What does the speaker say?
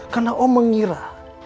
karena om mengira